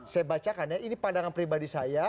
saya bacakan ya ini pandangan pribadi saya